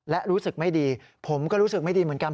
และรู้สึกไม่ดีผมก็รู้สึกไม่ดีเหมือนกัน